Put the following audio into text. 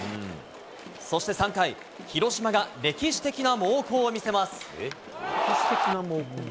そして３回、広島が歴史的な猛攻を見せます。